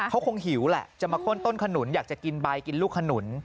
เขาคงหิวแหละจะมาข้นต้นขนุนอยากจะกินใบกินลูกขนุน